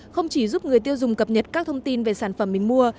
không chỉ giúp người tiêu dùng cập nhật các thông tin về sản phẩm mình mua